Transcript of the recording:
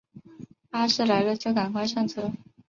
巴士来了就赶快上车